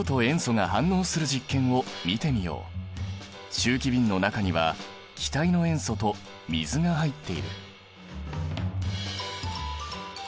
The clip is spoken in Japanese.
集気瓶の中には気体の塩素と水が入っている。